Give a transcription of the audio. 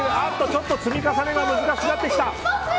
ちょっと積み重ねが難しくなってきた。